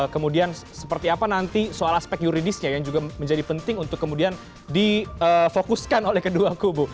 kemudian seperti apa nanti soal aspek yuridisnya yang juga menjadi penting untuk kemudian difokuskan oleh kedua kubu